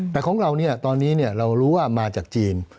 แต่ของเราตอนนี้เรารู้ว่ามาจากจีน